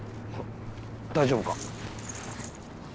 大丈夫か？